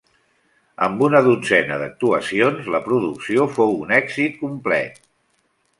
Amb una dotzena d'actuacions, la producció fou un èxit complet.